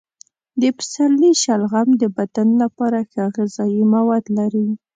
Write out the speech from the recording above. د پسرلي شلغم د بدن لپاره ښه غذايي مواد لري.